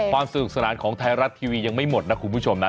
ความสนุกสนานของไทยรัฐทีวียังไม่หมดนะคุณผู้ชมนะ